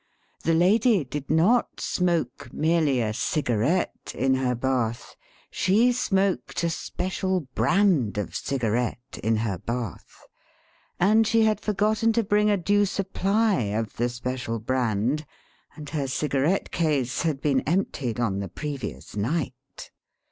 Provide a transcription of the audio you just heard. The lady did not smoke merely a cigarette in her bath — she smoked a special brand of cigarette in her bath. And she had forgotten to bring a due supply of the special brand, and her cigarette case had been emptied on the previous night.